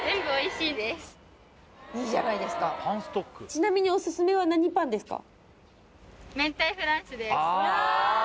ちなみにオススメは何パンですか？